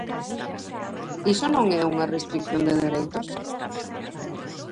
¿Iso non é unha restrición de dereitos?